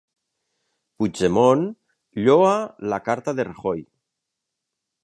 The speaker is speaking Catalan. Puigdemont lloa la carta de Rajoy